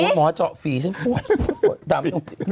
หมอเหาะฝีฉันก่อน